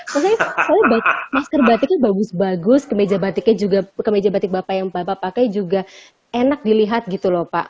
maksudnya masker batiknya bagus bagus kemeja batiknya juga kemeja batik bapak yang bapak pakai juga enak dilihat gitu loh pak